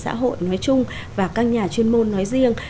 các nhà chuyên môn ở xã hội nói chung và các nhà chuyên môn nói riêng